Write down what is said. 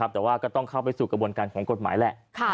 แต่ว่าก็ต้องเข้าไปสู่กระบวนการของกฎหมายแหละ